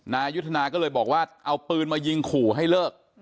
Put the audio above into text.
นายุทธนาก็เลยบอกว่าเอาปืนมายิงขู่ให้เลิก